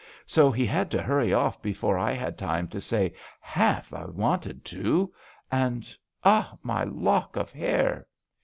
So he had to hurry off before I had time to say half I wanted to, and Ah! my lock of hair